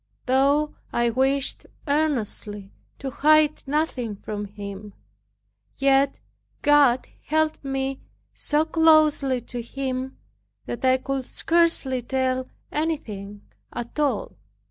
Though I wished earnestly to hide nothing from him, yet God held me so closely to Him, that I could scarcely tell anything at all.